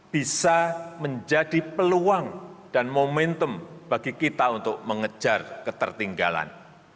bisa menjadi peluang dan momentum bagi kita untuk mengejar ketertinggalan